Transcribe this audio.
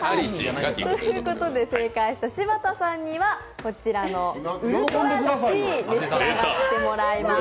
正解した柴田さんには、こちらのウルトラ椎、召し上がってもらいます。